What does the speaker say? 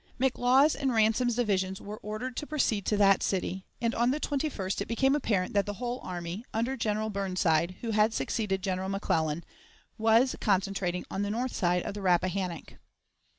McLaws's and Ransom's divisions were ordered to proceed to that city; and on the 21st it became apparent that the whole army under General Burnside, who had succeeded General McClellan was concentrating on the north side of the Rappahannock.